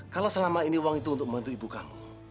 kalau selama ini uang itu untuk membantu ibu kamu